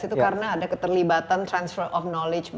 itu karena ada keterlibatan transfer of knowledge